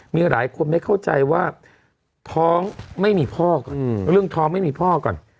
มีหลายคนไม่เข้าใจว่าท้องไม่มีพ่อก่อนเรื่องท้องไม่มีพ่อก่อน